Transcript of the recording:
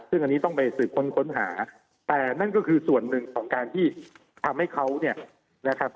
ซึ่งอันนี้ต้องไปสืบค้นค้นหาแต่นั่นก็คือส่วนหนึ่งของการที่ทำให้เขาเนี่ยนะครับ